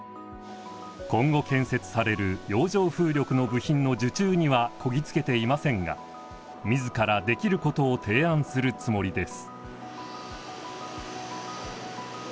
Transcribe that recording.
今後建設される洋上風力の部品の受注にはこぎ着けていませんが自らできることを提案するつもりです。